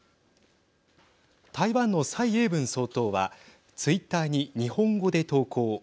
台湾の蔡英文総統はツイッターに日本語で投稿。